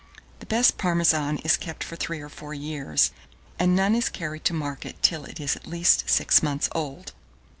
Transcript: The best Parmesan is kept for three or four years, and none is carried to market till it is at least six months old.